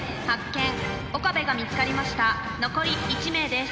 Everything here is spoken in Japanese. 残り１名です。